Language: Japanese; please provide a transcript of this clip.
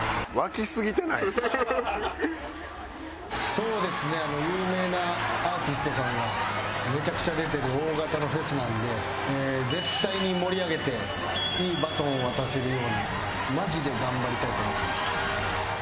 「そうですね有名なアーティストさんがめちゃくちゃ出てる大型のフェスなんで絶対に盛り上げていいバトンを渡せるようにマジで頑張りたいと思ってます」